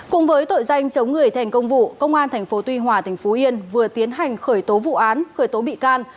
cùng với tội danh chống người thành công vụ công an tp tuy hòa tỉnh phú yên vừa tiến hành khởi tố vụ án khởi tố bị can